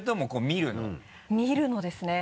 見るのですね。